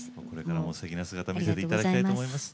これからもすてきな姿見せていただきたいと思います。